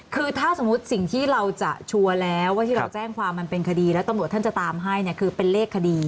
คือถ้าสมมุติสิ่งที่เราจะชัวร์แล้วว่าที่เราแจ้งความมันเป็นคดีแล้วตำรวจท่านจะตามให้เนี่ยคือเป็นเลขคดี